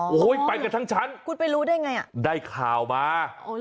โอ้โหไปกันทั้งชั้นคุณไปรู้ได้ไงอ่ะได้ข่าวมา